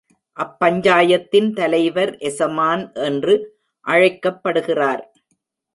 அப் பஞ்சாயத்தின் தலைவர் எசமான் என்று அழைக்கப்படுகிறார்.